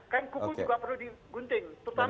kan kuku juga perlu digunting